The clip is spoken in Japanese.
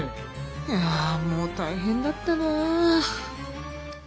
いやもう大変だったなあ。